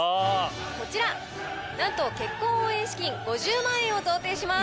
こちらなんと結婚応援資金５０万円を贈呈します。